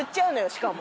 ⁉しかも。